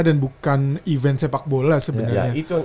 dan bukan event sepak bola sebenarnya